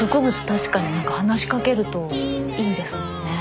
確かに話しかけるといいんですもんね。